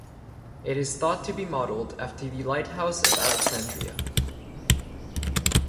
It is thought to be modeled after the Lighthouse of Alexandria.